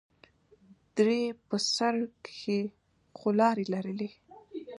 درې په بر سر کښې څو لارې لرلې.